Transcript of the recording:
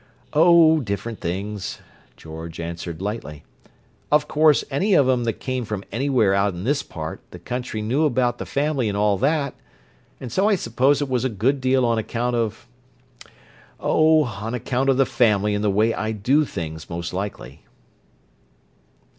"Oh, different things," George answered lightly. "Of course, any of 'em that came from anywhere out in this part the country knew about the family and all that, and so I suppose it was a good deal on account of—oh, on account of the family and the way I do things, most likely."